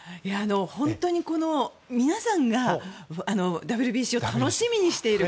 本当に皆さんがＷＢＣを楽しみにしている。